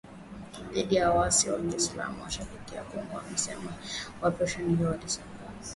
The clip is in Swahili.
dhidi ya waasi wa kiislam mashariki mwa Kongo msemaji wa operesheni hiyo alisema